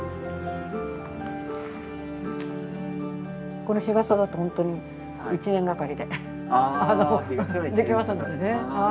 この日傘だと本当に１年がかりでできますのでね。